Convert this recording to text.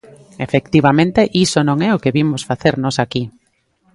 Efectivamente, iso non é o que vimos facer nós aquí.